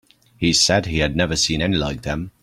He said he had never seen any like them.